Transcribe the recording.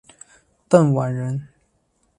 邓琬人。